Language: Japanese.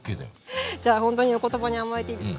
じゃあほんとにお言葉に甘えていいですか？